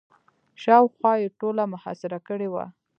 شاوخوا یې ټوله محاصره کړې وه.